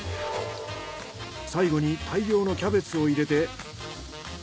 最後に大量のキャベツを入れて。